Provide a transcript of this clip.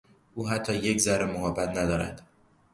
او حتی یک ذره محبت ندارد.